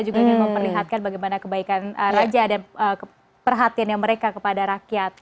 juga memperlihatkan bagaimana kebaikan raja dan perhatian yang mereka kepada rakyat